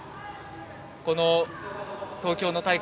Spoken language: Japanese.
この東京の大会。